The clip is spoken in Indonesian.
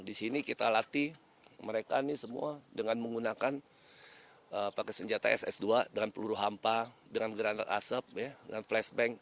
di sini kita latih mereka ini semua dengan menggunakan pakai senjata ss dua dengan peluru hampa dengan granat asap dan flashback